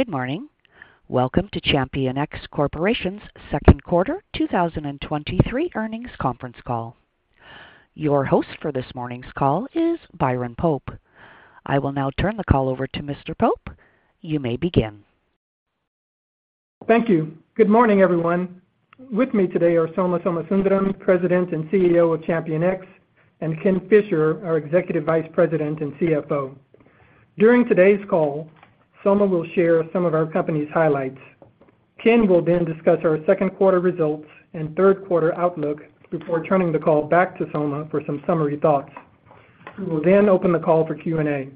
Good morning. Welcome to ChampionX Corporation's Second Quarter 2023 Earnings Conference Call. Your host for this morning's call is Byron Pope. I will now turn the call over to Mr. Pope. You may begin. Thank you. Good morning, everyone. With me today are Soma Somasundaram, President and CEO of ChampionX, and Ken Fisher, our Executive Vice President and CFO. During today's call, Soma will share some of our company's highlights. Ken will then discuss our Q2 results and Q3 outlook before turning the call back to Soma for some summary thoughts. We will then open the call for Q&A.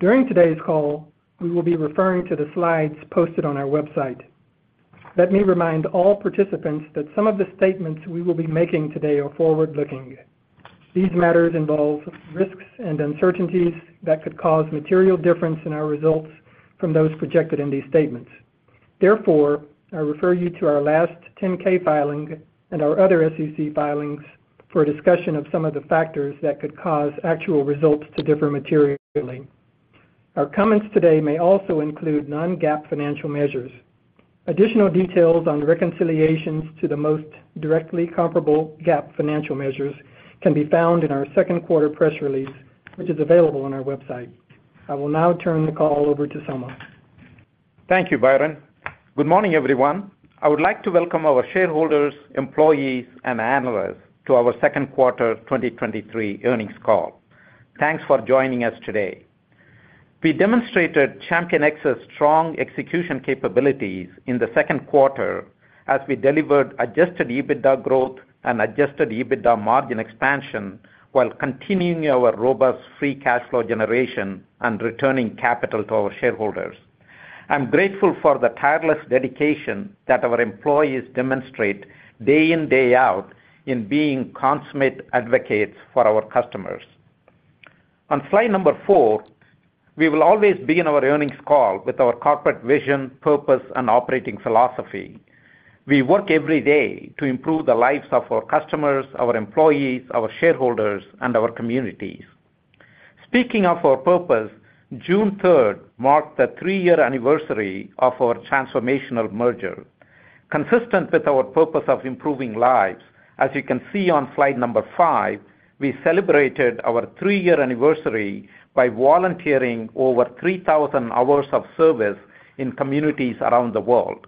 During today's call, we will be referring to the slides posted on our website. Let me remind all participants that some of the statements we will be making today are forward-looking. These matters involve risks and uncertainties that could cause material difference in our results from those projected in these statements. Therefore, I refer you to our last 10-K filing and our other SEC filings for a discussion of some of the factors that could cause actual results to differ materially. Our comments today may also include non-GAAP financial measures. Additional details on the reconciliations to the most directly comparable GAAP financial measures can be found in our Q2 press release, which is available on our website. I will now turn the call over to Soma. Thank you, Byron. Good morning, everyone. I would like to welcome our shareholders, employees, and analysts to our Second Quarter 2023 Earnings Call. Thanks for joining us today. We demonstrated ChampionX's strong execution capabilities in the Q2 as we delivered adjusted EBITDA growth and adjusted EBITDA margin expansion, while continuing our robust free cash flow generation and returning capital to our shareholders. I'm grateful for the tireless dedication that our employees demonstrate day in, day out in being consummate advocates for our customers. On slide number four, we will always begin our earnings call with our corporate vision, purpose, and operating philosophy. We work every day to improve the lives of our customers, our employees, our shareholders, and our communities. Speaking of our purpose, June 3rd marked the three-year anniversary of our transformational merger. Consistent with our purpose of improving lives, as you can see on slide five, we celebrated our three-year anniversary by volunteering over 3,000 hours of service in communities around the world.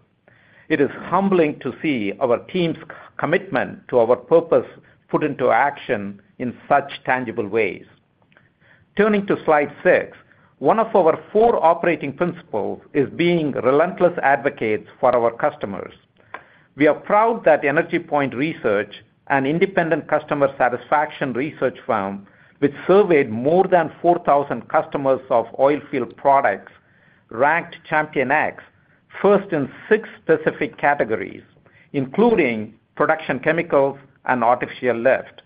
It is humbling to see our team's commitment to our purpose put into action in such tangible ways. Turning to slide six, one of our four operating principles is being relentless advocates for our customers. We are proud that EnergyPoint Research, an independent customer satisfaction research firm, which surveyed more than 4,000 customers of oilfield products, ranked ChampionX first in six specific categories, including production chemicals and artificial lift.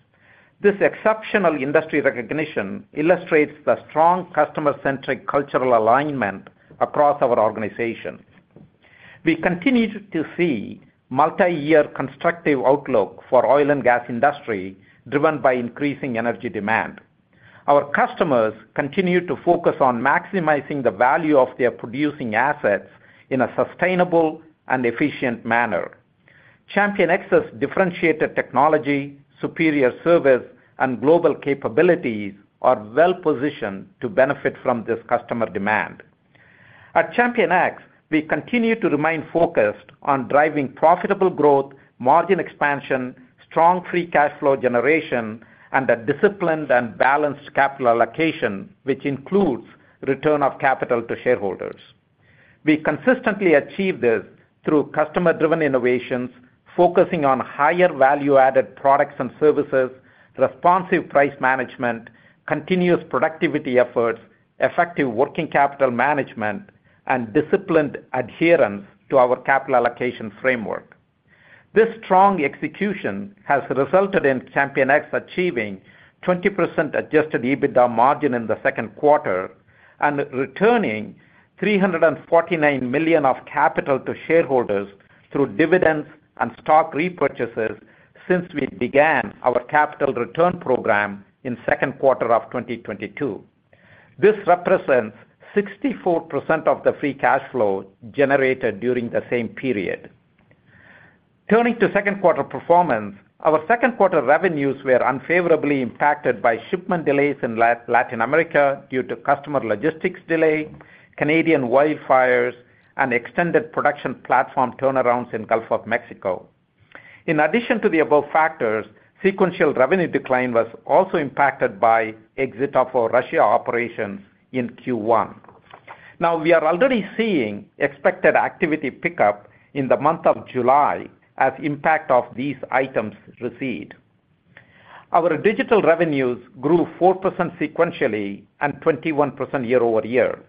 This exceptional industry recognition illustrates the strong customer-centric cultural alignment across our organization. We continued to see multi-year constructive outlook for oil and gas industry, driven by increasing energy demand. Our customers continue to focus on maximizing the value of their producing assets in a sustainable and efficient manner. ChampionX's differentiated technology, superior service, and global capabilities are well positioned to benefit from this customer demand. At ChampionX, we continue to remain focused on driving profitable growth, margin expansion, strong free cash flow generation, and a disciplined and balanced capital allocation, which includes return of capital to shareholders. We consistently achieve this through customer-driven innovations, focusing on higher value-added products and services, responsive price management, continuous productivity efforts, effective working capital management, and disciplined adherence to our capital allocation framework. This strong execution has resulted in ChampionX achieving 20% adjusted EBITDA margin in the Q2 and returning $349 million of capital to shareholders through dividends and stock repurchases since we began our capital return program in Q2 of 2022. This represents 64% of the free cash flow generated during the same period. Turning to Q2 performance, our Q2 revenues were unfavorably impacted by shipment delays in Latin America due to customer logistics delay, Canadian wildfires, and extended production platform turnarounds in Gulf of Mexico. Addition to the above factors, sequential revenue decline was also impacted by exit of our Russia operations in Q1. We are already seeing expected activity pickup in the month of July as impact of these items recede. Our digital revenues grew 4% sequentially and 21% year-over-year.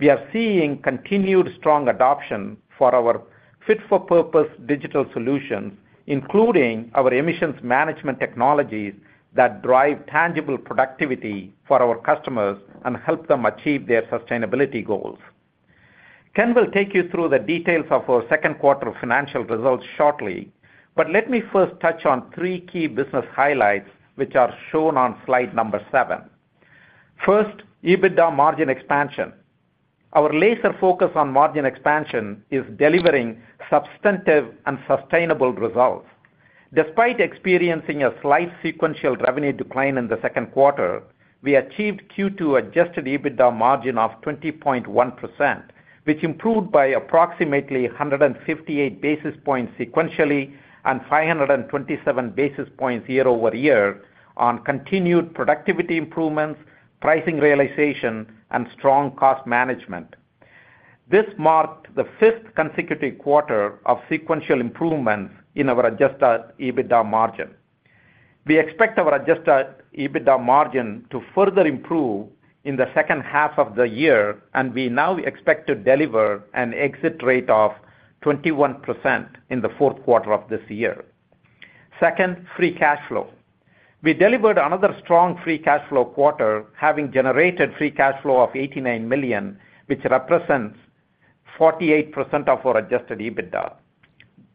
We are seeing continued strong adoption for our fit-for-purpose digital solutions, including our emissions management technologies that drive tangible productivity for our customers and help them achieve their sustainability goals. Ken will take you through the details of our Q2 financial results shortly. Let me first touch on 3 key business highlights, which are shown on slide number seven. First, EBITDA margin expansion. Our laser focus on margin expansion is delivering substantive and sustainable results. Despite experiencing a slight sequential revenue decline in the Q2, we achieved Q2 adjusted EBITDA margin of 20.1%, which improved by approximately 158 basis points sequentially and 527 basis points year-over-year on continued productivity improvements, pricing realization, and strong cost management. This marked the 5th consecutive quarter of sequential improvements in our adjusted EBITDA margin. We expect our adjusted EBITDA margin to further improve in the second half of the year. We now expect to deliver an exit rate of 21% in the Q4 of this year. Second, free cash flow. We delivered another strong free cash flow quarter, having generated free cash flow of $89 million, which represents 48% of our adjusted EBITDA.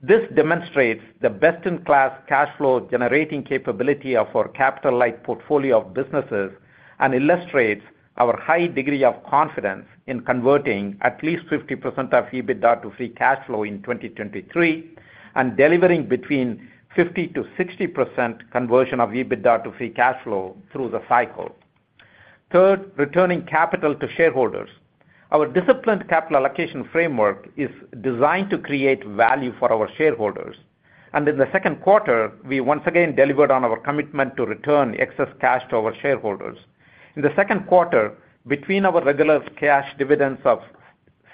This demonstrates the best-in-class cash flow generating capability of our capital-light portfolio of businesses and illustrates our high degree of confidence in converting at least 50% of EBITDA to free cash flow in 2023, and delivering between 50%-60% conversion of EBITDA to free cash flow through the cycle. Third, returning capital to shareholders. Our disciplined capital allocation framework is designed to create value for our shareholders, and in the Q2, we once again delivered on our commitment to return excess cash to our shareholders. In the Q2, between our regular cash dividends of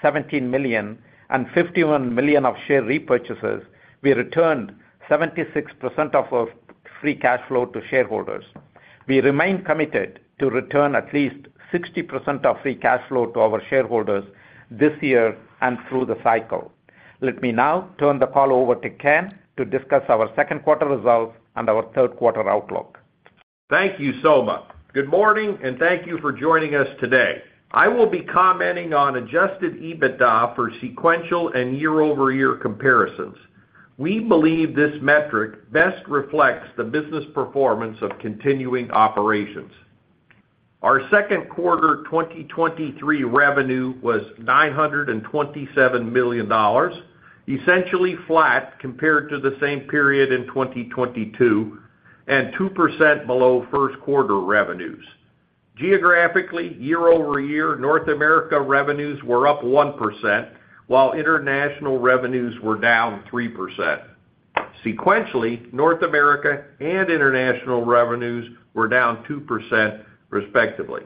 $17 million and $51 million of share repurchases, we returned 76% of our free cash flow to shareholders. We remain committed to return at least 60% of free cash flow to our shareholders this year and through the cycle. Let me now turn the call over to Ken to discuss our Q2 results and our Q3 outlook. Thank you, Soma. Good morning, thank you for joining us today. I will be commenting on adjusted EBITDA for sequential and year-over-year comparisons. We believe this metric best reflects the business performance of continuing operations. Our Q2 2023 revenue was $927 million, essentially flat compared to the same period in 2022, and 2% below Q1 revenues. Geographically, year-over-year, North America revenues were up 1%, while international revenues were down 3%. Sequentially, North America and international revenues were down 2%, respectively.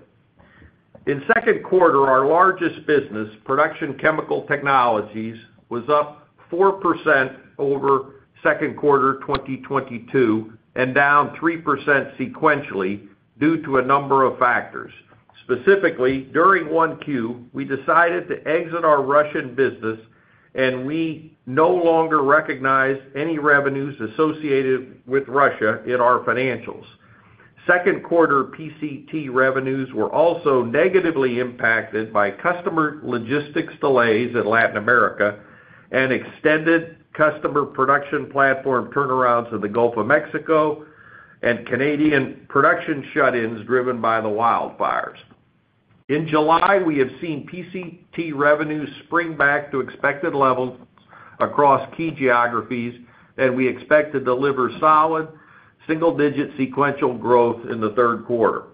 In Q2, our largest business, Production Chemical Technologies, was up 4% over Q2 2022, and down 3% sequentially due to a number of factors. Specifically, during 1Q, we decided to exit our Russian business, and we no longer recognize any revenues associated with Russia in our financials. Q2 PCT revenues were also negatively impacted by customer logistics delays in Latin America, and extended customer production platform turnarounds in the Gulf of Mexico, and Canadian production shut-ins driven by the wildfires. In July, we have seen PCT revenues spring back to expected levels across key geographies, and we expect to deliver solid single-digit sequential growth in the Q3.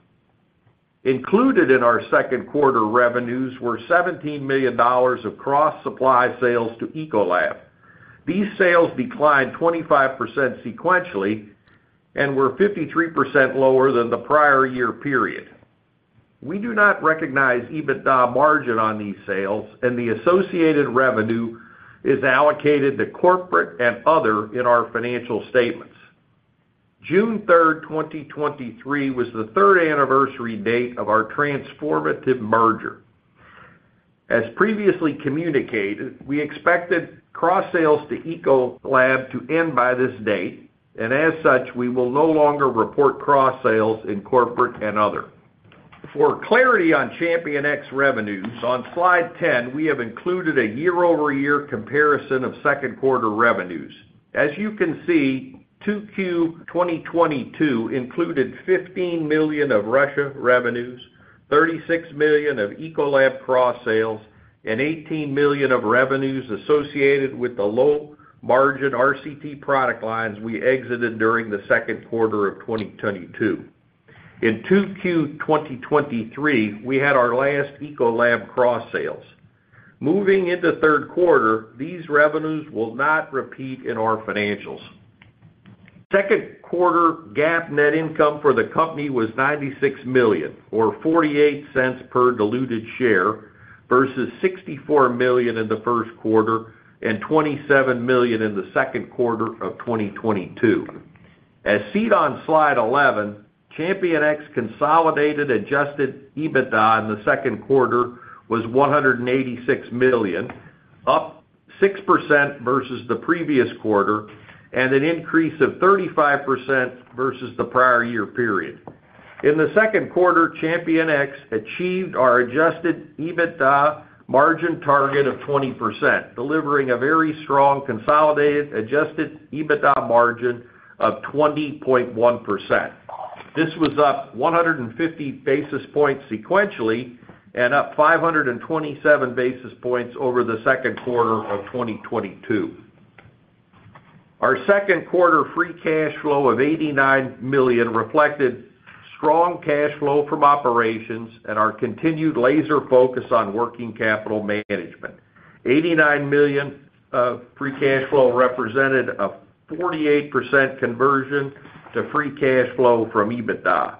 Included in our Q2 revenues were $17 million of cross-supply sales to Ecolab. These sales declined 25% sequentially and were 53% lower than the prior year period. We do not recognize EBITDA margin on these sales, and the associated revenue is allocated to corporate and other in our financial statements. June 3rd, 2023, was the third anniversary date of our transformative merger. As previously communicated, we expected cross-sales to Ecolab to end by this date. As such, we will no longer report cross-sales in corporate and other. For clarity on ChampionX revenues, on slide 10, we have included a year-over-year comparison of Q2 revenues. As you can see, 2Q 2022 included $15 million of Russia revenues, $36 million of Ecolab cross-sales, and $18 million of revenues associated with the low-margin RCT product lines we exited during the Q2 of 2022. In 2Q 2023, we had our last Ecolab cross-sales. Moving into Q3, these revenues will not repeat in our financials. Q2 GAAP net income for the company was $96 million, or $0.48 per diluted share, versus $64 million in the first quarter and $27 million in the Q2 of 2022. As seen on slide 11 the previous quarter, and an increase of 35% versus the prior-year period. In the Q2, ChampionX achieved our adjusted EBITDA margin target of 20%, delivering a very strong consolidated adjusted EBITDA margin of 20.1%. This was up 150 basis points sequentially, and up 527 basis points over 2Q 2022. Our Q2 free cash flow of $89 million reflected strong cash flow from operations and our continued laser focus on working capital management. $89 million free cash flow represented a 48% conversion to free cash flow from EBITDA.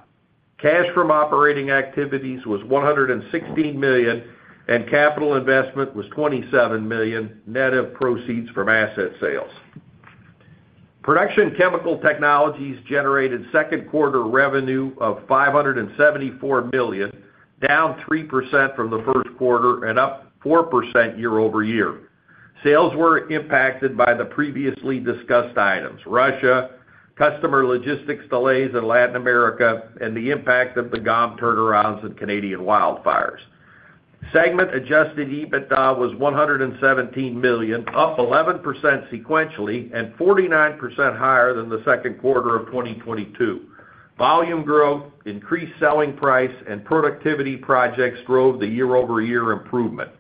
Cash from operating activities was $116 million, and capital investment was $27 million, net of proceeds from asset sales. Production Chemical Technologies generated 2Q revenue of $574 million, down 3% from the 1Q and up 4% year-over-year. Sales were impacted by the previously discussed items: Russia, customer logistics delays in Latin America, and the impact of the GOM turnarounds and Canadian wildfires. Segment adjusted EBITDA was $117 million, up 11% sequentially and 49% higher than the 2Q 2022. Volume growth, increased selling price, and productivity projects drove the year-over-year improvement.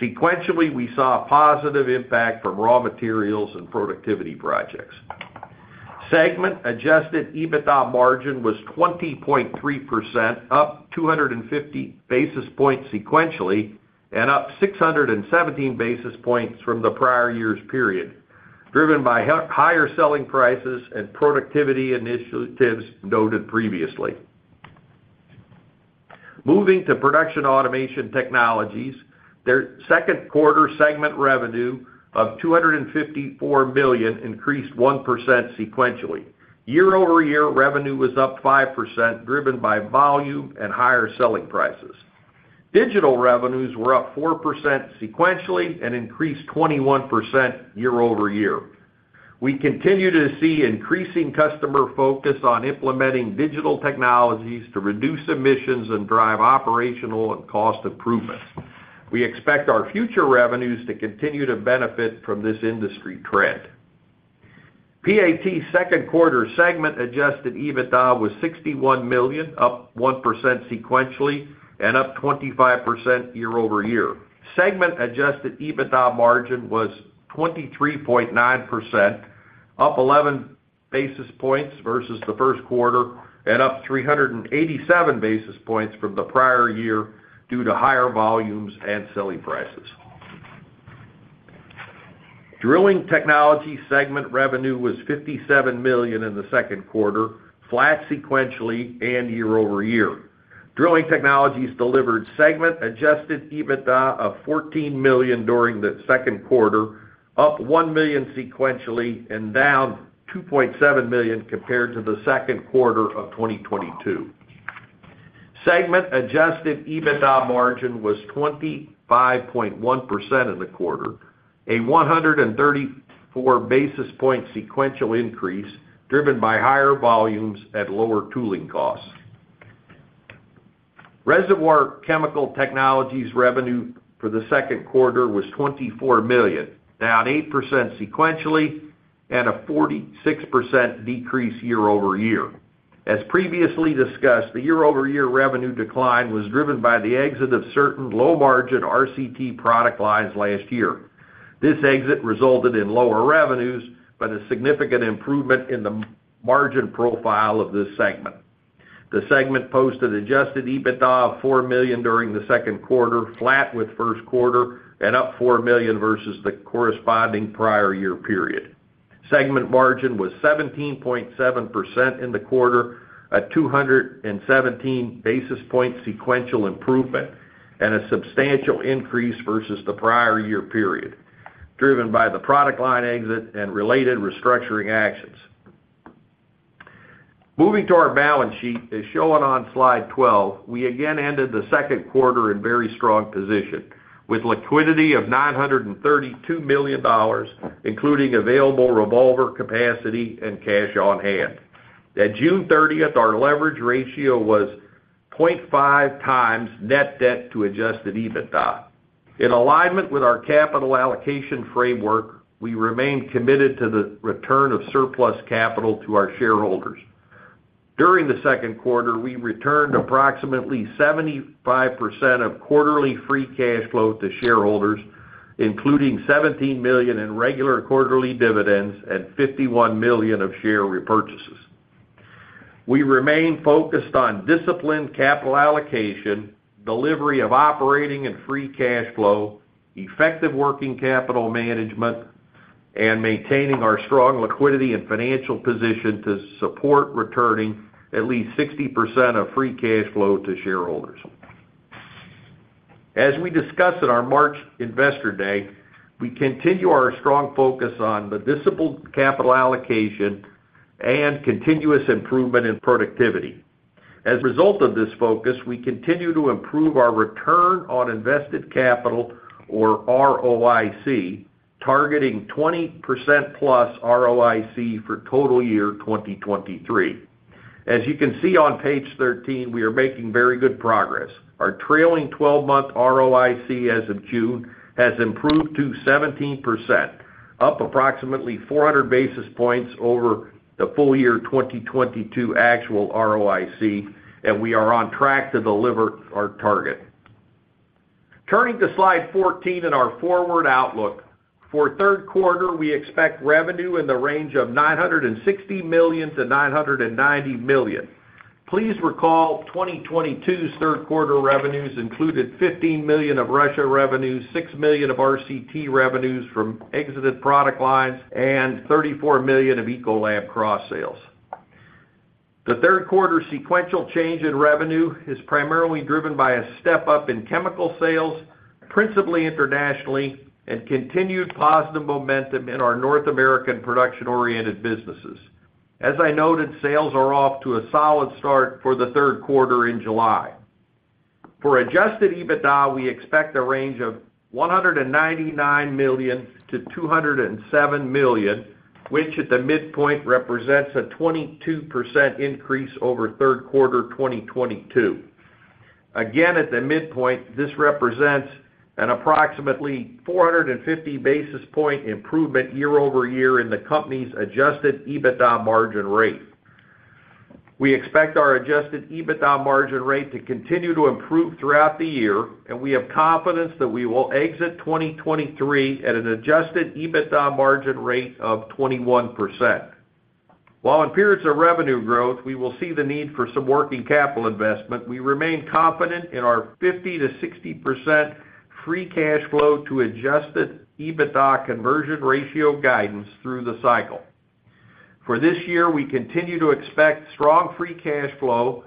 Sequentially, we saw a positive impact from raw materials and productivity projects. Segment adjusted EBITDA margin was 20.3%, up 250 basis points sequentially, and up 617 basis points from the prior year's period, driven by higher selling prices and productivity initiatives noted previously. Moving to Production & Automation Technologies, their Q2 segment revenue of $254 million increased 1% sequentially. Year-over-year revenue was up 5%, driven by volume and higher selling prices. Digital revenues were up 4% sequentially and increased 21% year-over-year. We continue to see increasing customer focus on implementing digital technologies to reduce emissions and drive operational and cost improvements. We expect our future revenues to continue to benefit from this industry trend. PAT's Q2 segment adjusted EBITDA was $61 million, up 1% sequentially and up 25% year-over-year. Segment adjusted EBITDA margin was 23.9%, up 11 basis points versus the first quarter and up 387 basis points from the prior year due to higher volumes and selling prices. Drilling Technologies segment revenue was $57 million in the Q2, flat sequentially and year-over-year. Drilling Technologies delivered segment adjusted EBITDA of $14 million during the Q2, up $1 million sequentially and down $2.7 million compared to the Q2 of 2022. Segment adjusted EBITDA margin was 25.1% in the quarter, a 134 basis point sequential increase, driven by higher volumes at lower tooling costs. Reservoir Chemical Technologies revenue for the Q2 was $24 million, down 8% sequentially and a 46% decrease year-over-year. As previously discussed, the year-over-year revenue decline was driven by the exit of certain low-margin RCT product lines last year. This exit resulted in lower revenues, but a significant improvement in the margin profile of this segment. The segment posted adjusted EBITDA of $4 million during the Q2, flat with first quarter and up $4 million versus the corresponding prior year period. Segment margin was 17.7% in the quarter, a 217 basis point sequential improvement and a substantial increase versus the prior year period, driven by the product line exit and related restructuring actions. Moving to our balance sheet, as shown on slide 12, we again ended the Q2 in very strong position, with liquidity of $932 million, including available revolver capacity and cash on hand. At June 30th, our leverage ratio was 0.5 times net debt to adjusted EBITDA. In alignment with our capital allocation framework, we remain committed to the return of surplus capital to our shareholders. During the Q2, we returned approximately 75% of quarterly free cash flow to shareholders, including $17 million in regular quarterly dividends and $51 million of share repurchases. We remain focused on disciplined capital allocation, delivery of operating and free cash flow, effective working capital management, and maintaining our strong liquidity and financial position to support returning at least 60% of free cash flow to shareholders. As we discussed in our March Investor Day, we continue our strong focus on the disciplined capital allocation and continuous improvement in productivity. As a result of this focus, we continue to improve our return on invested capital, or ROIC, targeting 20%+ ROIC for total year 2023. As you can see on page 13, we are making very good progress. Our trailing 12-month ROIC as of June, has improved to 17% up approximately 400 basis points over the full year, 2022 actual ROIC, and we are on track to deliver our target. Turning to slide 14 in our forward outlook. For Q3, we expect revenue in the range of $960 million-$990 million. Please recall, 2022's Q3 revenues included $15 million of Russia revenues, $6 million of RCT revenues from exited product lines, and $34 million of Ecolab cross sales. The Q3 sequential change in revenue is primarily driven by a step-up in chemical sales, principally internationally, and continued positive momentum in our North American production-oriented businesses. As I noted, sales are off to a solid start for the Q3 in July. For adjusted EBITDA, we expect a range of $199 million-$207 million, which at the midpoint represents a 22% increase over Q3 2022. Again, at the midpoint, this represents an approximately 450 basis point improvement year-over-year in the company's adjusted EBITDA margin rate. We expect our adjusted EBITDA margin rate to continue to improve throughout the year, and we have confidence that we will exit 2023 at an adjusted EBITDA margin rate of 21%. While in periods of revenue growth, we will see the need for some working capital investment, we remain confident in our 50%-60% free cash flow to adjusted EBITDA conversion ratio guidance through the cycle. For this year, we continue to expect strong free cash flow,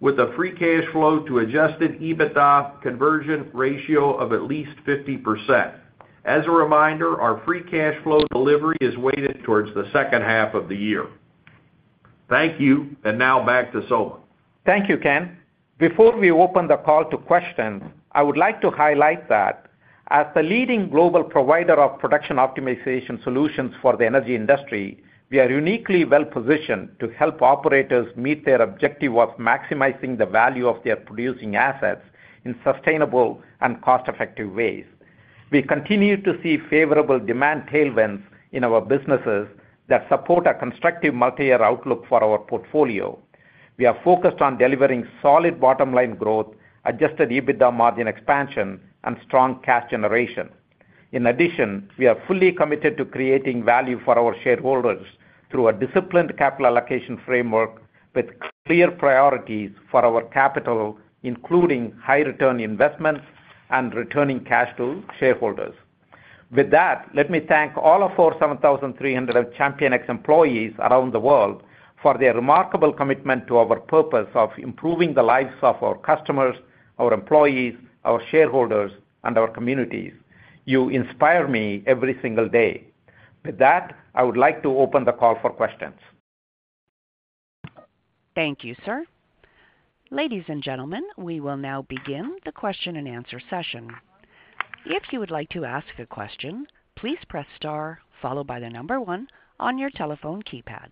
with a free cash flow to adjusted EBITDA conversion ratio of at least 50%. As a reminder, our free cash flow delivery is weighted towards the second half of the year. Thank you. Now back to Soma. Thank you, Ken. Before we open the call to questions, I would like to highlight that as the leading global provider of production optimization solutions for the energy industry, we are uniquely well positioned to help operators meet their objective of maximizing the value of their producing assets in sustainable and cost-effective ways. We continue to see favorable demand tailwinds in our businesses that support a constructive multi-year outlook for our portfolio. We are focused on delivering solid bottom line growth, adjusted EBITDA margin expansion, and strong cash generation. In addition, we are fully committed to creating value for our shareholders through a disciplined capital allocation framework with clear priorities for our capital, including high return investments and returning cash to shareholders. With that, let me thank all of our 7,300 ChampionX employees around the world for their remarkable commitment to our purpose of improving the lives of our customers, our employees, our shareholders, and our communities. You inspire me every single day. With that, I would like to open the call for questions. Thank you, sir. Ladies and gentlemen, we will now begin the question-and-answer session. If you would like to ask a question, please press star followed by the number one on your telephone keypad.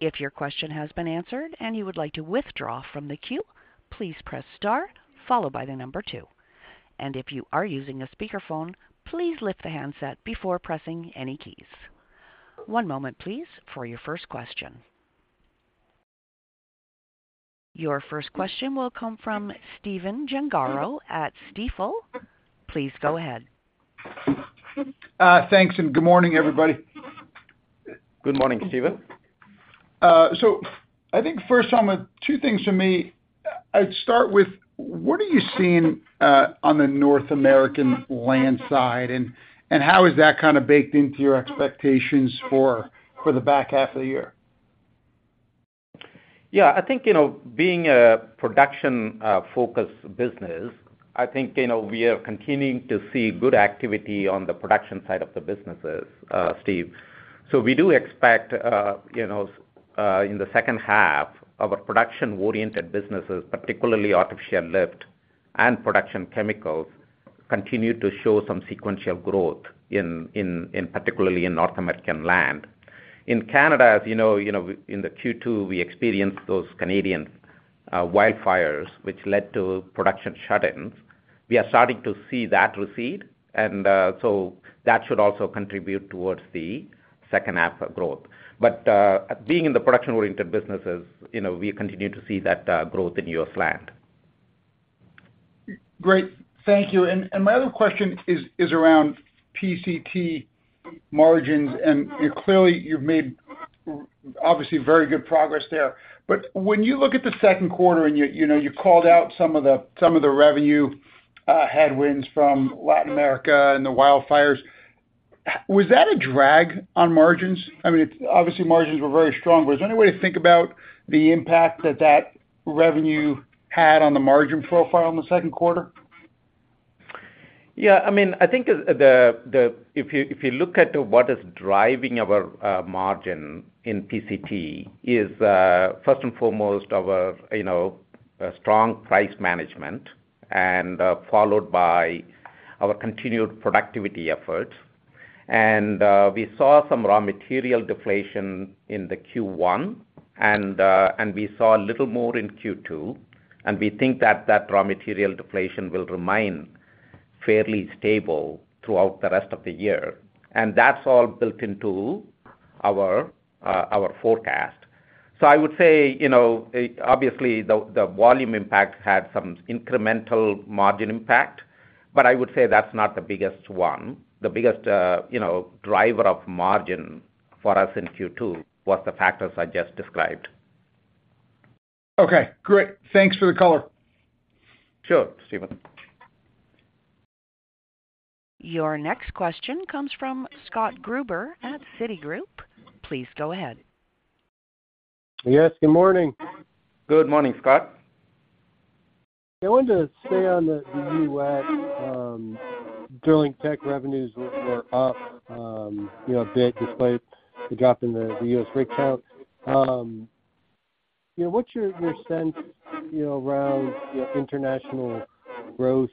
If your question has been answered and you would like to withdraw from the queue, please press star followed by the number two. If you are using a speakerphone, please lift the handset before pressing any keys. One moment please, for your first question. Your first question will come from Stephen Gengaro at Stifel. Please go ahead. Thanks, and good morning, everybody. Good morning, Stephen. I think first, Soma, 2 things from me. I'd start with, what are you seeing on the North American land side, and how is that kind of baked into your expectations for the back half of the year? Yeah, I think, you know, being a production focused business, I think, you know, we are continuing to see good activity on the production side of the businesses, Steve. We do expect, you know, in the second half of our production-oriented businesses, particularly artificial lift and production chemicals, continue to show some sequential growth in particularly in North American land. In Canada, as you know, you know, in the Q2, we experienced those Canadian wildfires, which led to production shutdowns. We are starting to see that recede, that should also contribute towards the second half of growth. Being in the production-oriented businesses, you know, we continue to see that growth in U.S. land. Great. Thank you. My other question is around PCT margins, and you clearly made, obviously, very good progress there. When you look at the Q2 and yet, you know, you called out some of the revenue headwinds from Latin America and the wildfires, was that a drag on margins? I mean, obviously, margins were very strong. Is there any way to think about the impact that revenue had on the margin profile in the Q2? Yeah, I mean, I think if you look at what is driving our margin in PCT is first and foremost our, you know, strong price management followed by our continued productivity efforts. We saw some raw material deflation in the Q1, and we saw a little more in Q2. We think that raw material deflation will remain fairly stable throughout the rest of the year, and that's all built into our forecast. I would say, you know, obviously, the volume impact had some incremental margin impact, but I would say that's not the biggest one. The biggest, you know, driver of margin for us in Q2 was the factors I just described. Okay, great. Thanks for the color. Sure, Steven. Your next question comes from Scott Gruber at Citigroup. Please go ahead. Yes, good morning. Good morning, Scott. I wanted to stay on the U.S. Drilling Technologies revenues were up, you know, a bit despite the drop in the U.S. rig count. You know, what's your sense, you know, around, you know, international growth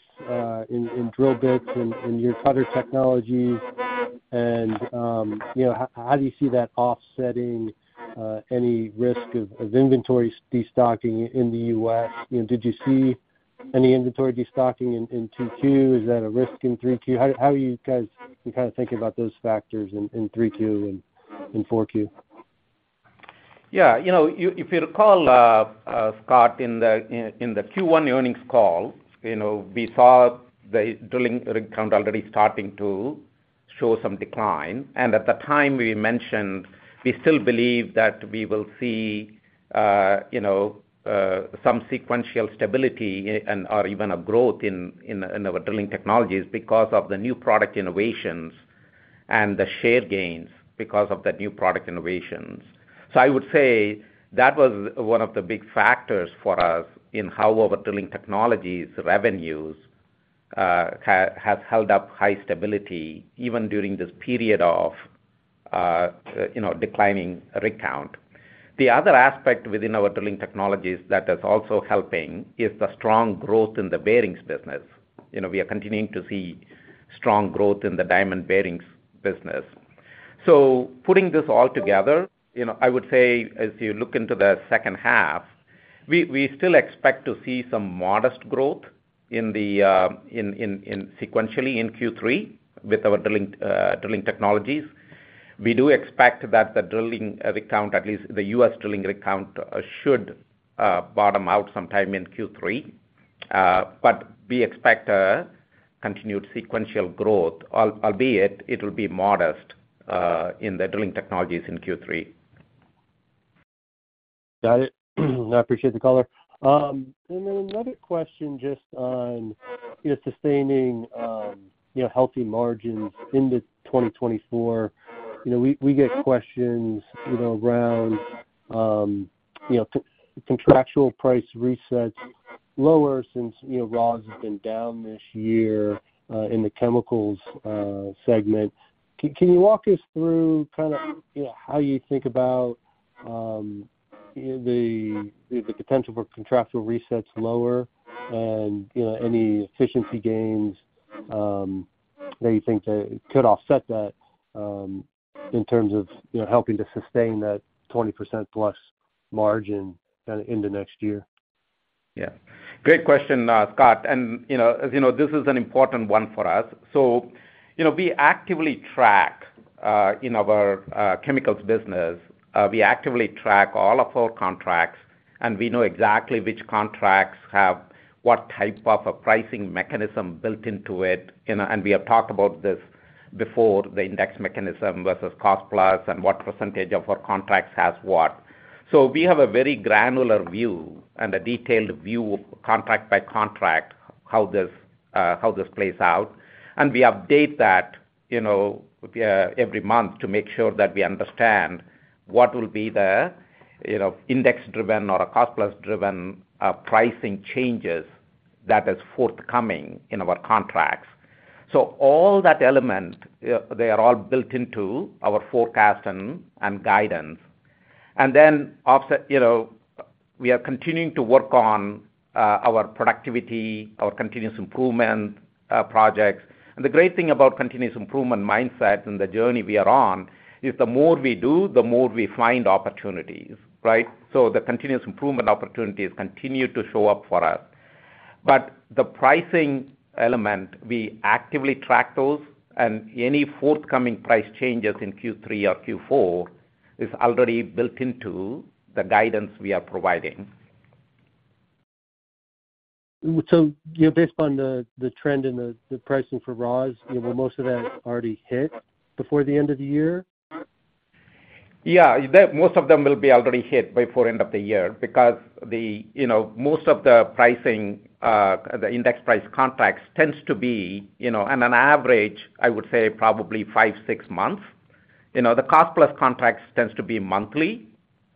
in drill bits and in your cutter technologies? You know, how do you see that offsetting any risk of inventory destocking in the U.S.? You know, did you see any inventory destocking in Q2? Is that a risk in Q3? How are you guys kind of think about those factors in Q3 and Q4? Yeah, you know, if you recall, Scott, in the Q1 earnings call, you know, we saw the drilling rig count already starting to show some decline. At the time, we mentioned, we still believe that we will see, you know, some sequential stability or even a growth in our Drilling Technologies because of the new product innovations and the share gains because of the new product innovations. I would say that was one of the big factors for us in how our Drilling Technologies revenues has held up high stability, even during this period of, you know, declining rig count. The other aspect within our Drilling Technologies that is also helping is the strong growth in the bearings business. You know, we are continuing to see strong growth in the diamond bearings business. Putting this all together, you know, I would say as you look into the second half, we still expect to see some modest growth in the sequentially in Q3 with our Drilling Technologies. We do expect that the drilling rig count, at least the U.S. drilling rig count, should bottom out sometime in Q3. But we expect a continued sequential growth, albeit it will be modest in the Drilling Technologies in Q3. Got it. I appreciate the color. Another question just on, you know, sustaining, you know, healthy margins into 2024. You know, we get questions, you know, around, you know, contractual price resets lower since, you know, raws has been down this year, in the chemicals segment. Can you walk us through kind of, you know, how you think about the potential for contractual resets lower and, you know, any efficiency gains that you think that could offset that, in terms of, you know, helping to sustain that 20% plus margin kind of into next year? Yeah. Great question, Scott. You know, as you know, this is an important one for us. You know, we actively track in our chemicals business, we actively track all of our contracts, and we know exactly which contracts have what type of a pricing mechanism built into it. You know, we have talked about this before, the index mechanism versus cost plus, and what percentage of our contracts has what. We have a very granular view and a detailed view, contract by contract, how this plays out. We update that, every month to make sure that we understand what will be the, you know, index-driven or a cost-plus-driven pricing changes that is forthcoming in our contracts. All that element, they are all built into our forecast and guidance. Offset, you know, we are continuing to work on, our productivity, our continuous improvement, projects. The great thing about continuous improvement mindset and the journey we are on, is the more we do, the more we find opportunities, right? The continuous improvement opportunities continue to show up for us. The pricing element, we actively track those, and any forthcoming price changes in Q3 or Q4 is already built into the guidance we are providing. You know, based on the trend in the pricing for raws, you know, most of that already hit before the end of the year? Yeah, that most of them will be already hit by four end of the year because the, you know, most of the pricing, the index price contracts tends to be, you know, on an average, I would say probably 5, 6 months. You know, the cost plus contracts tends to be monthly,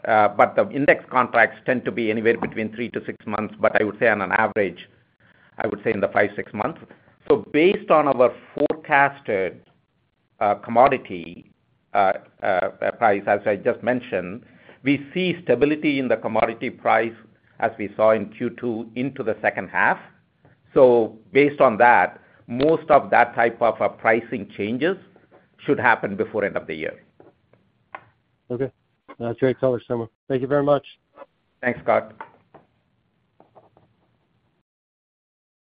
but the index contracts tend to be anywhere between 3 to 6 months. I would say on an average, I would say in the 5, 6 months. Based on our forecasted, commodity price, as I just mentioned, we see stability in the commodity price as we saw in Q2 into the second half. Based on that, most of that type of a pricing changes should happen before end of the year. Okay. That's a great color, Soma. Thank you very much. Thanks, Scott.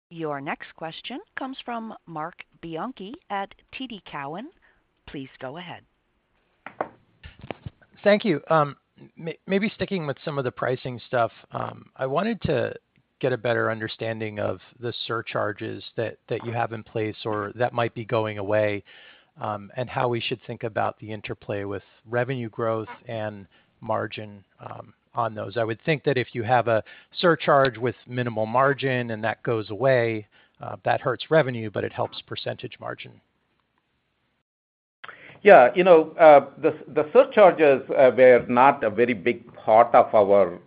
Your next question comes from Marc Bianchi at TD Cowen. Please go ahead. Thank you. maybe sticking with some of the pricing stuff, I wanted to get a better understanding of the surcharges that you have in place or that might be going away, and how we should think about the interplay with revenue growth and margin on those. I would think that if you have a surcharge with minimal margin and that goes away, that hurts revenue, but it helps percentage margin. Yeah, you know, the surcharges were not a very big part of our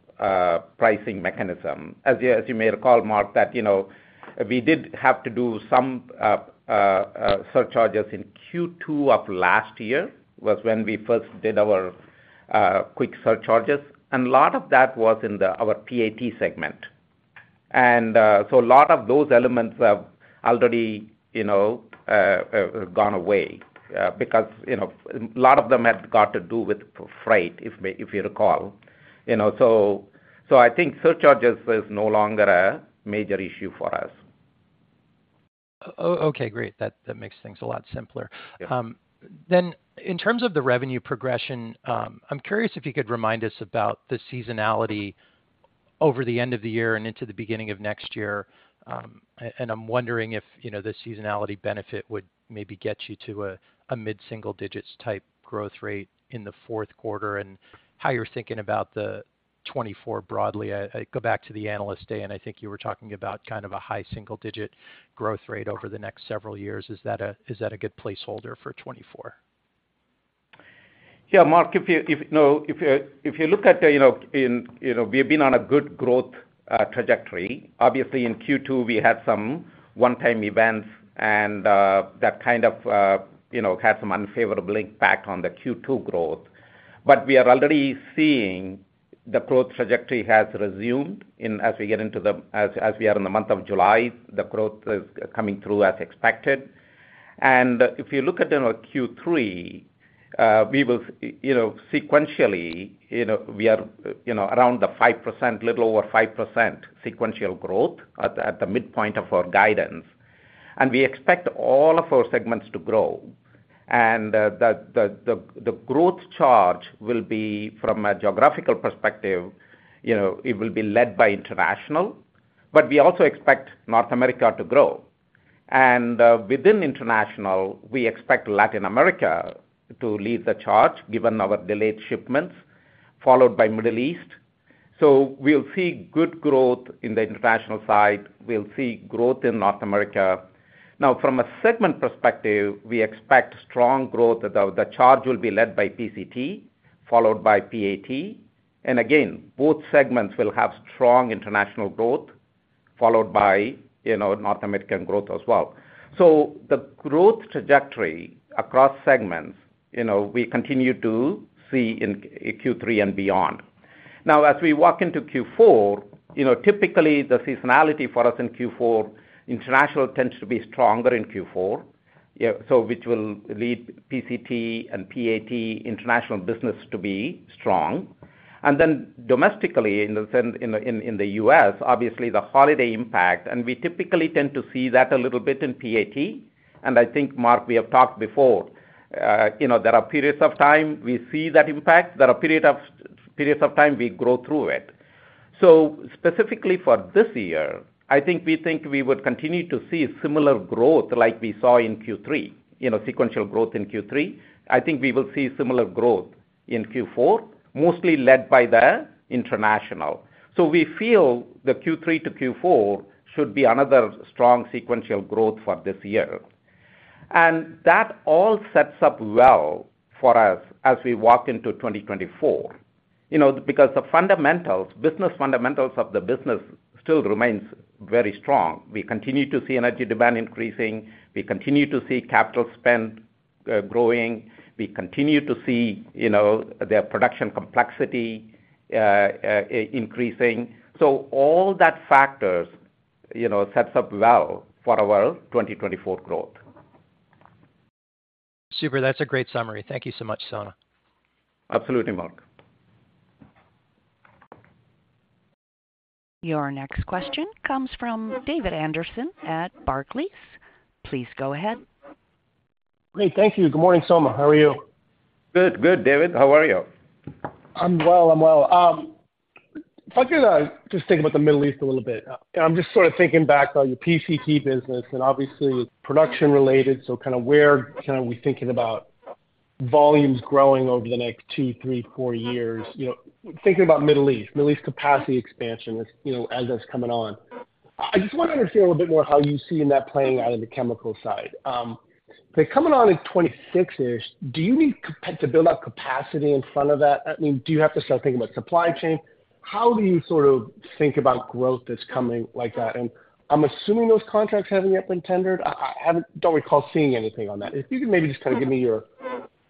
pricing mechanism. As you may recall, Marc, that, you know, we did have to do some surcharges in Q2 of last year, was when we first did our quick surcharges, and a lot of that was in our PAT segment. A lot of those elements have already, you know, gone away, because, you know, a lot of them have got to do with freight, if you recall. You know, so I think surcharges is no longer a major issue for us. Okay, great. That makes things a lot simpler. Yeah. In terms of the revenue progression, I'm curious if you could remind us about the seasonality over the end of the year and into the beginning of next year. I'm wondering if, you know, the seasonality benefit would maybe get you to a mid-single digits type growth rate in the Q4, and how you're thinking about the 2024 broadly. I go back to the Analyst Day, and I think you were talking about kind of a high single digit growth rate over the next several years. Is that a, is that a good placeholder for 2024? Yeah, Marc, if you know, if you look at, you know, we've been on a good growth trajectory. Obviously, in Q2, we had some one-time events, that kind of, you know, had some unfavorable impact on the Q2 growth. We are already seeing the growth trajectory has resumed as we get into the, as we are in the month of July, the growth is coming through as expected. If you look at in our Q3, we will, you know, sequentially, you know, we are, you know, around the 5%, little over 5% sequential growth at the midpoint of our guidance. We expect all of our segments to grow. The growth charge will be from a geographical perspective, you know, it will be led by international, but we also expect North America to grow. Within international, we expect Latin America to lead the charge given our delayed shipments, followed by Middle East. We'll see good growth in the international side. We'll see growth in North America. From a segment perspective, we expect strong growth. The charge will be led by PCT, followed by PAT. Again, both segments will have strong international growth, followed by, you know, North American growth as well. The growth trajectory across segments, you know, we continue to see in Q3 and beyond. As we walk into Q4, you know, typically the seasonality for us in Q4, international tends to be stronger in Q4, which will lead PCT and PAT international business to be strong. Domestically, in the sense, in the US, obviously the holiday impact, and we typically tend to see that a little bit in PAT. I think, Marc, we have talked before, you know, there are periods of time we see that impact, there are periods of time we grow through it. Specifically for this year, I think we think we would continue to see similar growth like we saw in Q3, you know, sequential growth in Q3. I think we will see similar growth in Q4, mostly led by the international. We feel the Q3 to Q4 should be another strong sequential growth for this year. That all sets up well for us as we walk into 2024, you know, because the fundamentals, business fundamentals of the business still remains very strong. We continue to see energy demand increasing, we continue to see capital spend growing, we continue to see, you know, their production complexity increasing. All that factors, you know, sets up well for our 2024 growth. Super. That's a great summary. Thank you so much, Soma. Absolutely, Marc. Your next question comes from David Anderson at Barclays. Please go ahead. Great. Thank you. Good morning, Soma. How are you? Good. Good, David. How are you? I'm well. I'm well. If I could just think about the Middle East a little bit. I'm just sort of thinking back on your PCT business and obviously production related, kind of where are we thinking about volumes growing over the next two, three, four years? You know, thinking about Middle East capacity expansion, you know, as that's coming on. I just want to understand a little bit more how you see that playing out on the chemical side. Coming on in 26 years, do you need to build out capacity in front of that? I mean, do you have to start thinking about supply chain? How do you sort of think about growth that's coming like that? I'm assuming those contracts haven't yet been tendered. I don't recall seeing anything on that. If you could maybe just kind of give me your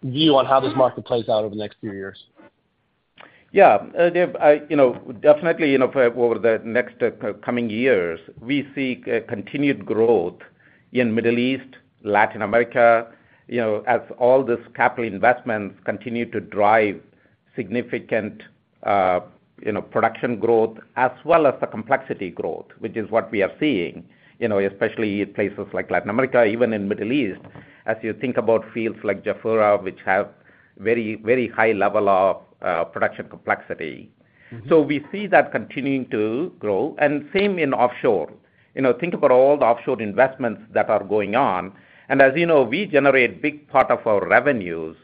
view on how this market plays out over the next few years? Yeah, Dave, I, you know, definitely, you know, for over the next, coming years, we see, continued growth in Middle East, Latin America, you know, as all these capital investments continue to drive significant, you know, production growth as well as the complexity growth, which is what we are seeing, you know, especially in places like Latin America, even in Middle East, as you think about fields like Jafurah, which have very, very high level of production complexity. We see that continuing to grow and same in offshore. You know, think about all the offshore investments that are going on, and as you know, we generate big part of our revenues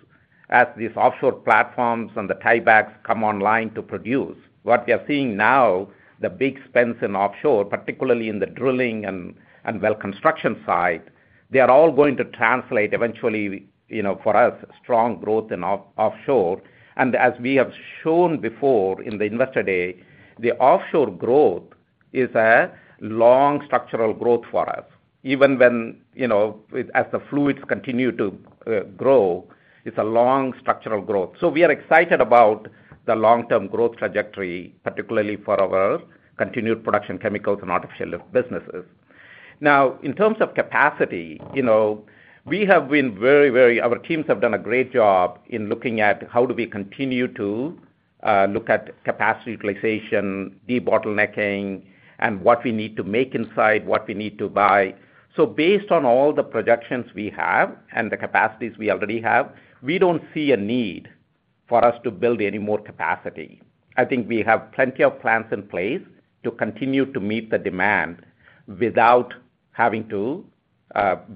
as these offshore platforms and the tiebacks come online to produce. What we are seeing now, the big spends in offshore, particularly in the drilling and well construction side, they are all going to translate eventually, you know, for us, strong growth in offshore. As we have shown before in the Investor Day, the offshore growth is a long structural growth for us. Even when, you know, as the fluids continue to grow, it's a long structural growth. We are excited about the long-term growth trajectory, particularly for our continued production chemicals and artificial lift businesses. In terms of capacity, you know, we have been very our teams have done a great job in looking at how do we continue to look at capacity utilization, debottlenecking, and what we need to make inside, what we need to buy. Based on all the projections we have and the capacities we already have, we don't see a need for us to build any more capacity. I think we have plenty of plans in place to continue to meet the demand without having to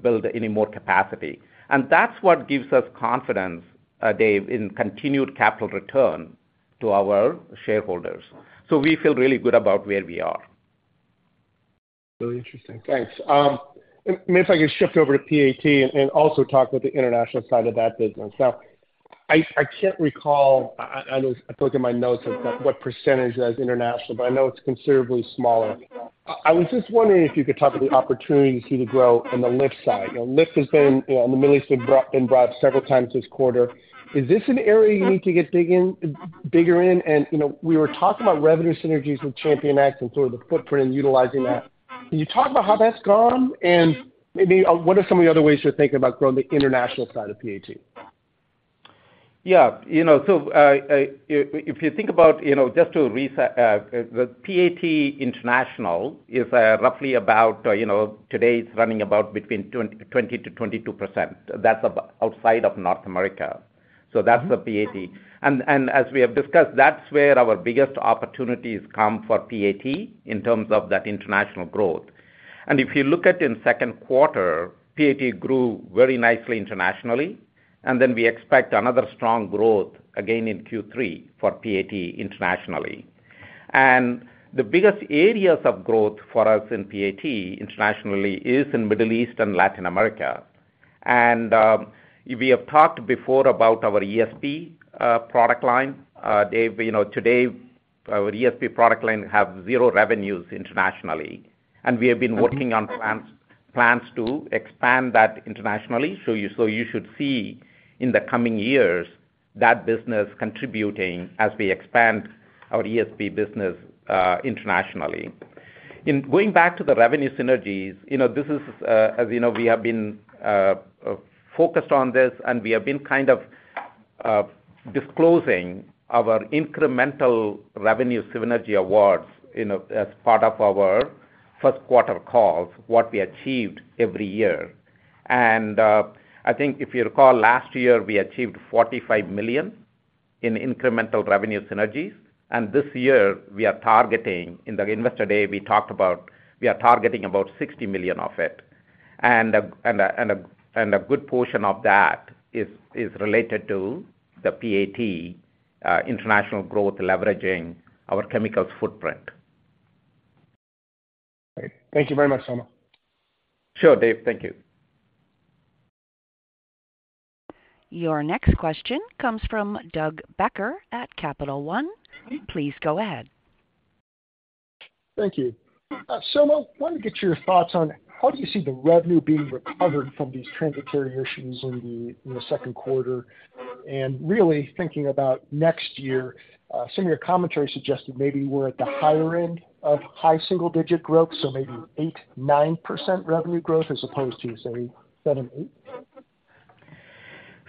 build any more capacity. That's what gives us confidence, Dave, in continued capital return to our shareholders. We feel really good about where we are. Very interesting. Thanks. If I could shift over to PAT and also talk about the international side of that business. I can't recall, I looked at my notes at what % is international, but I know it's considerably smaller. I was just wondering if you could talk about the opportunity to see the growth on the lift side. You know, lift has been, you know, in the Middle East, been brought up several times this quarter. Is this an area you need to get dig in, bigger in? You know, we were talking about revenue synergies with ChampionX and sort of the footprint and utilizing that. Can you talk about how that's gone, and maybe what are some of the other ways you're thinking about growing the international side of PAT? Yeah. You know, if you think about, you know, just to reset, the PAT International is roughly, you know, today it's running between 20-22%. That's outside of North America. That's the PAT. As we have discussed, that's where our biggest opportunities come for PAT in terms of that international growth. If you look at in Q2, PAT grew very nicely internationally, we expect another strong growth again in Q3 for PAT internationally. The biggest areas of growth for us in PAT internationally is in Middle East and Latin America. We have talked before about our ESP product line. Dave, you know, today, our ESP product line have zero revenues internationally, and we have been working on plans to expand that internationally. You should see in the coming years, that business contributing as we expand our ESP business internationally. Going back to the revenue synergies, you know, this is, as you know, we have been focused on this, and we have been kind of disclosing our incremental revenue synergy awards, you know, as part of our first quarter calls, what we achieved every year. I think if you recall, last year, we achieved $45 million in incremental revenue synergies, and this year we are targeting, in the Investor Day, we talked about we are targeting about $60 million of it. A good portion of that is related to the PAT international growth, leveraging our chemicals footprint. Great. Thank you very much, Soma. Sure, Dave. Thank you. Your next question comes from Doug Becker at Capital One. Please go ahead. Thank you. Soma, wanted to get your thoughts on how do you see the revenue being recovered from these transitory issues in the Q2, and really thinking about next year, some of your commentary suggested maybe we're at the higher end of high single digit growth, so maybe 8%, 9% revenue growth as opposed to, say, 7%,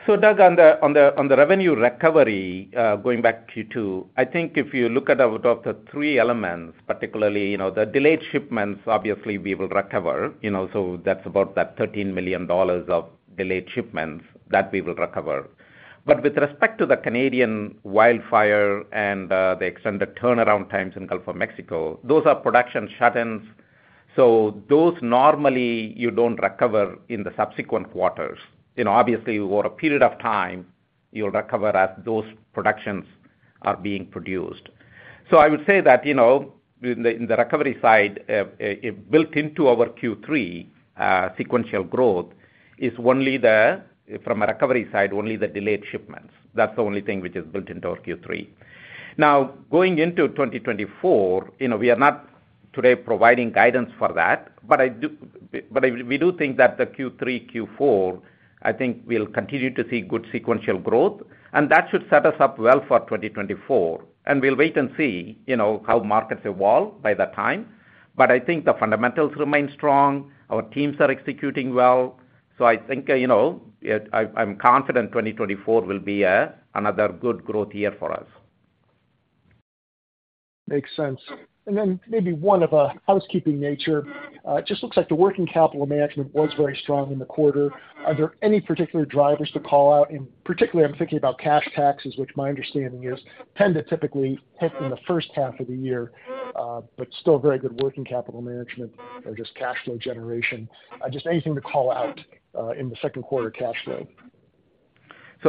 8%? Doug, on the revenue recovery, going back to you two, I think if you look at our top three elements, particularly, you know, the delayed shipments, obviously we will recover, you know, so that's about that $13 million of delayed shipments that we will recover. With respect to the Canadian wildfire and the extended turnaround times in Gulf of Mexico, those are production shutdowns, so those normally you don't recover in the subsequent quarters. You know, obviously, over a period of time, you'll recover as those productions are being produced. I would say that, you know, in the recovery side, built into our Q3 sequential growth is only the, from a recovery side, only the delayed shipments. That's the only thing which is built into our Q3. Going into 2024, you know, we are not today providing guidance for that, but we do think that the Q3, Q4, I think we'll continue to see good sequential growth, and that should set us up well for 2024. We'll wait and see, you know, how markets evolve by that time. I think the fundamentals remain strong. Our teams are executing well. I think, you know, I'm confident 2024 will be another good growth year for us. Makes sense. Maybe one of a housekeeping nature. It just looks like the working capital management was very strong in the quarter. Are there any particular drivers to call out? Particularly, I'm thinking about cash taxes, which my understanding is tend to typically hit in the first half of the year, but still very good working capital management or just cash flow generation. Just anything to call out in the Q2 cash flow.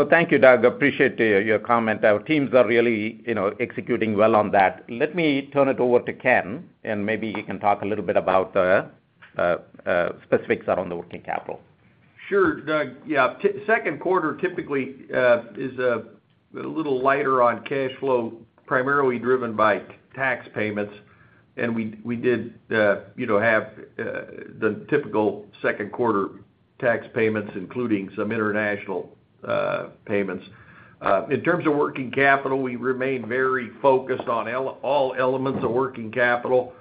Thank you, Doug. Appreciate your comment. Our teams are really, you know, executing well on that. Let me turn it over to Ken, and maybe he can talk a little bit about the specifics around the working capital. Sure, Doug. Yeah, Q2 typically is a little lighter on cash flow, primarily driven by tax payments. We did, you know, have the typical Q2 tax payments, including some international payments. In terms of working capital, we remain very focused on all elements of working capital.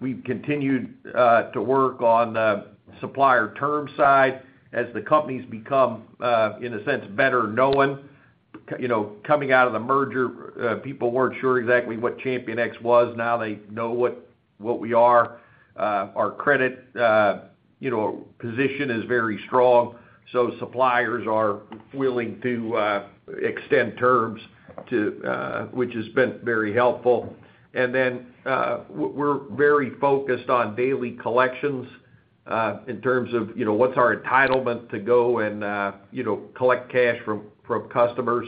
We've continued to work on the supplier term side as the companies become, in a sense, better known. You know, coming out of the merger, people weren't sure exactly what ChampionX was. Now, they know what we are. Our credit, you know, position is very strong, suppliers are willing to extend terms to, which has been very helpful. Then, we're very focused on daily collections, in terms of, you know, what's our entitlement to go and, you know, collect cash from customers.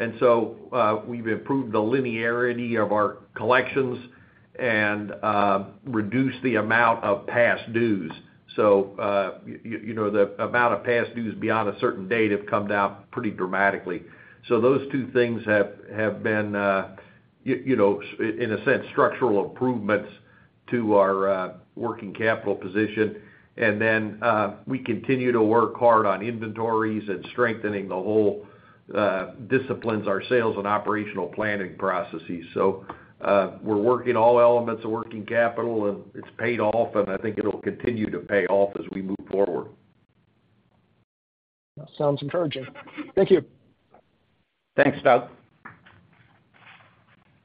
We've improved the linearity of our collections and reduced the amount of past dues. The amount of past dues beyond a certain date have come down pretty dramatically. Those two things have been, you know, in a sense, structural improvements to our working capital position. Then, we continue to work hard on inventories and strengthening the whole disciplines, our sales and operational planning processes. We're working all elements of working capital, and it's paid off, and I think it'll continue to pay off as we move forward. Sounds encouraging. Thank you. Thanks, Doug.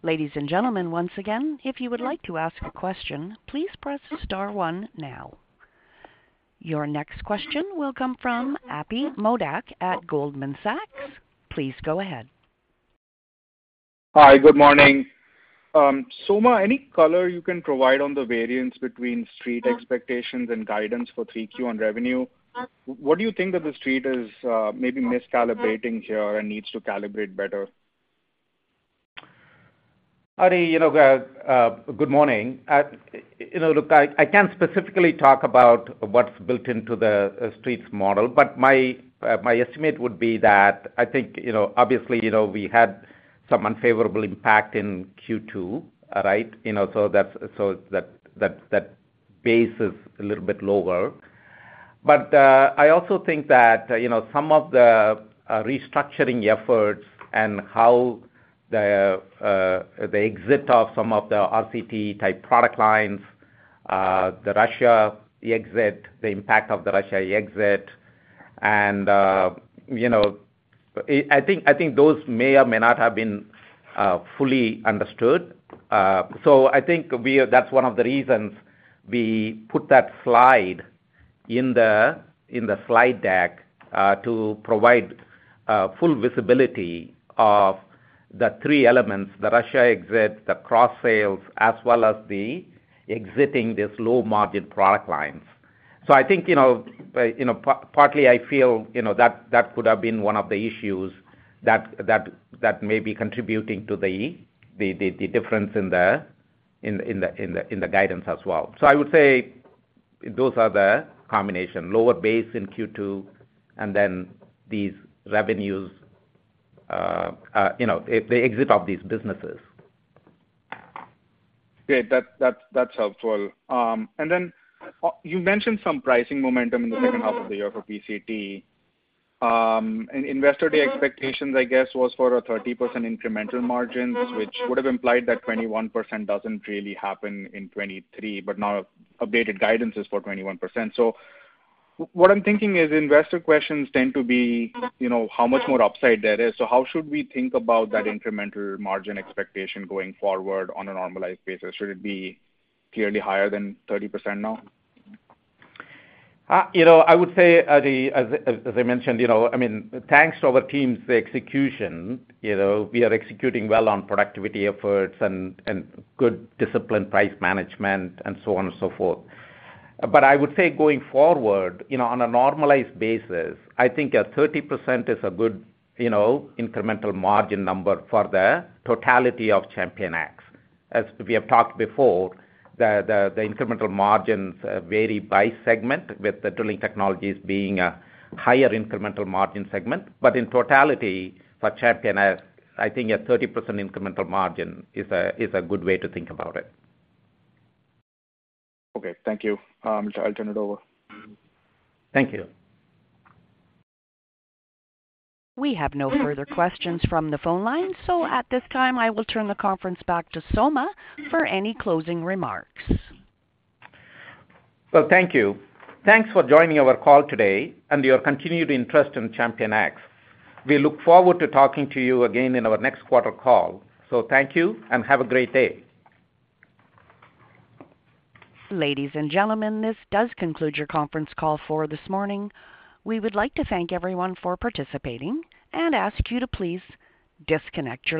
Ladies and gentlemen, once again, if you would like to ask a question, please press star one now. Your next question will come from Ati Modak at Goldman Sachs. Please go ahead. Hi, good morning. Soma, any color you can provide on the variance between Street expectations and guidance for Q3 on revenue? What do you think that the street is, maybe miscalibrating here and needs to calibrate better? Ati, you know, good morning. You know, look, I can't specifically talk about what's built into the Street's model, but my estimate would be that I think, you know, obviously, you know, we had some unfavorable impact in Q2, right? You know, so that base is a little bit lower. I also think that, you know, some of the restructuring efforts and how the exit of some of the RCT-type product lines, the Russia exit, the impact of the Russia exit, and, you know, I think those may or may not have been fully understood. I think that's one of the reasons we put that slide in the slide deck to provide full visibility of the three elements: the Russia exit, the cross sales, as well as the exiting this low-margin product lines. I think, you know, you know, partly, I feel, you know, that could have been one of the issues that may be contributing to the difference in the guidance as well. I would say those are the combination, lower base in Q2, and then these revenues, you know, the exit of these businesses. Great. That's helpful. Then, you mentioned some pricing momentum in the second half of the year for PCT. Investor Day expectations, I guess, was for a 30% incremental margins, which would have implied that 21% doesn't really happen in 2023, but now updated guidance is for 21%. What I'm thinking is, investor questions tend to be, you know, how much more upside there is. How should we think about that incremental margin expectation going forward on a normalized basis? Should it be clearly higher than 30% now? You know, I would say, Ati, as I mentioned, you know, I mean, thanks to our team's execution, you know, we are executing well on productivity efforts and good disciplined price management and so on and so forth. I would say going forward, you know, on a normalized basis, I think a 30% is a good, you know, incremental margin number for the totality of ChampionX. As we have talked before, the incremental margins vary by segment, with the Drilling Technologies being a higher incremental margin segment. In totality, for ChampionX, I think a 30% incremental margin is a good way to think about it. Okay. Thank you. I'll turn it over. Thank you. We have no further questions from the phone line. At this time, I will turn the conference back to Soma for any closing remarks. Well, thank you. Thanks for joining our call today and your continued interest in ChampionX. We look forward to talking to you again in our next quarter call. Thank you and have a great day. Ladies and gentlemen, this does conclude your conference call for this morning. We would like to thank everyone for participating and ask you to please disconnect your lines.